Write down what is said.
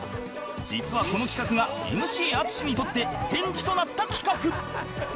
実はこの企画が ＭＣ 淳にとって転機となった企画